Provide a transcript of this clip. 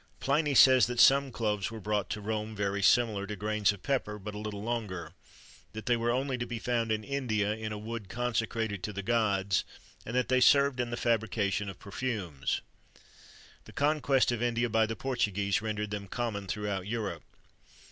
Pliny says that some cloves were brought to Rome, very similar to grains of pepper but a little longer; that they were only to be found in India, in a wood consecrated to the gods; and that they served in the fabrication of perfumes.[XXIII 80] The conquest of India by the Portuguese rendered them common throughout Europe.